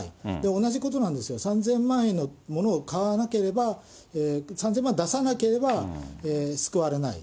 同じことなんですよ、３０００万円のものを買わなければ、３０００万出さなければ救われない。